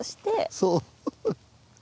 そう。